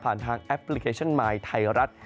ผ่านทางแอปพลิเคชันไมค์ไทรรัฐ